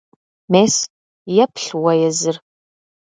Мес, еплъ уэ езыр!